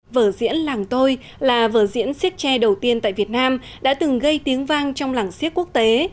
vở diễn làng tôi là vở diễn siếc tre đầu tiên tại việt nam đã từng gây tiếng vang trong làng siếc quốc tế